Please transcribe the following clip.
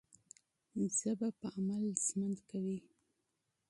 ژبه په عمل ژوند کوي.